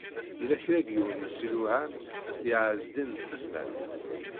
Yella kra n yiwen i s-iluɛan i Ɛezdin n Tezmalt.